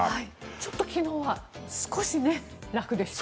ちょっと昨日は少し楽でした。